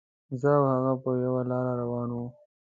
زه او هغه په یوه لاره روان وو.